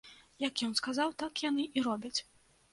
Як ён сказаў, так яны і робяць.